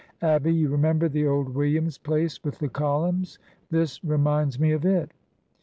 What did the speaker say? Abby, you remember the old Williams place with the columns? This reminds me of it."